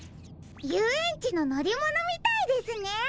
ゆうえんちののりものみたいですね！